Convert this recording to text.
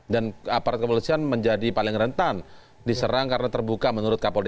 dan aparat kemuliaan menjadi paling rentan diserang karena terbuka menurut kapolri